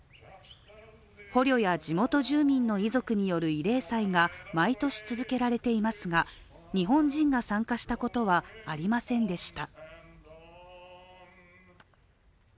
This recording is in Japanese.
捕虜や地元住民の遺族による慰霊祭が毎年続けられていますが日本人が参加したことはありませんでした。